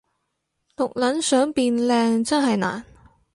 毒撚想變靚真係難